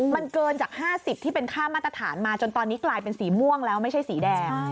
มันเกินจาก๕๐ที่เป็นค่ามาตรฐานมาจนตอนนี้กลายเป็นสีม่วงแล้วไม่ใช่สีแดง